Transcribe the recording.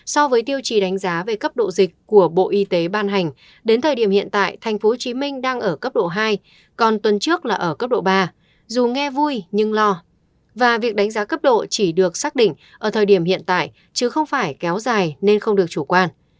so với tiêu chí đánh giá về cấp độ dịch của bộ y tế ban hành đến thời điểm hiện tại tp hcm đang ở cấp độ hai còn tuần trước là ở cấp độ ba dù nghe vui nhưng lo và việc đánh giá cấp độ chỉ được xác định ở thời điểm hiện tại chứ không phải kéo dài nên không được chủ quan